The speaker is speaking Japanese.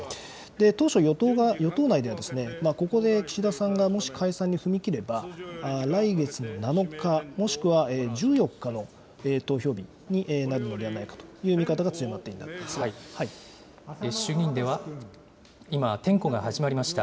当初、与党内では、ここで岸田さんがもし解散に踏み切れば、来月の７日、もしくは１４日の投票日になるのではないかという見方が強まって衆議院では今、点呼が始まりました。